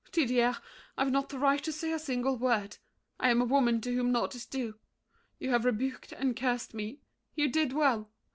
Didier, I've not the right to say a single word. I am a woman to whom naught is due. You have rebuked and cursed me: you did well!